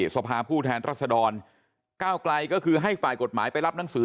สภาผู้แทนรัศดรก้าวไกลก็คือให้ฝ่ายกฎหมายไปรับหนังสือ